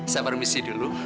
saya permisi dulu